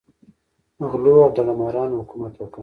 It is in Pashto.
غلو او داړه مارانو حکومت وکړ.